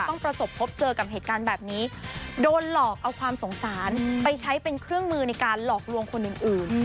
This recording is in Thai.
ประสบพบเจอกับเหตุการณ์แบบนี้โดนหลอกเอาความสงสารไปใช้เป็นเครื่องมือในการหลอกลวงคนอื่น